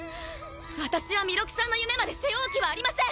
私は弥勒さんの夢まで背負う気はありません！